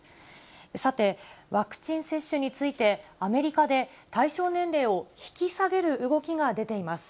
さて、ワクチン接種について、アメリカで対象年齢を引き下げる動きが出ています。